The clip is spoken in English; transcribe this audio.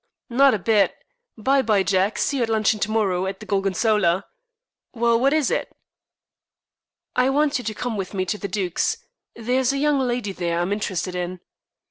"Not a bit. By bye, Jack. See you at luncheon to morrow at the Gorgonzola. Well, what is it?" "I want you to come with me to the 'Duke's.' There's a young lady there I'm interested in."